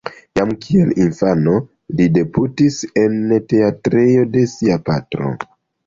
Jam kiel infano, li debutis en teatrejo de sia patro.